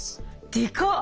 でかっ！